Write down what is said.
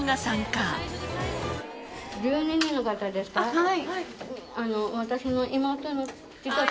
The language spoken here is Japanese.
はい。